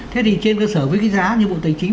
thế thì trên cơ sở với cái giá nhiệm vụ tài chính